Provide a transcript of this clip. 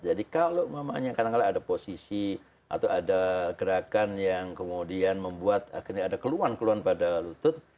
jadi kalau memangnya kadang kadang ada posisi atau ada gerakan yang kemudian membuat akhirnya ada keluhan keluhan pada lutut